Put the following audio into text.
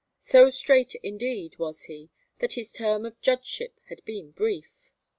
So "straight," indeed, was he that his term of judgeship had been brief.